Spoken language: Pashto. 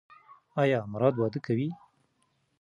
ایا مراد واده کوي؟